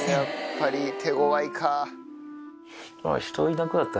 やっぱり手ごわいか。